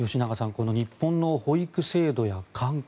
この日本の保育制度や環境